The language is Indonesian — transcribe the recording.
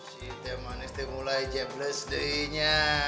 siti mana istimewa jebles deh ini